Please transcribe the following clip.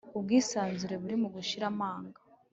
ubwisanzure buri mu gushira amanga.